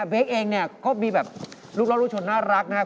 เบ๊กเองก็มีลูกร้อนรู้ชนน่ารักนะฮะ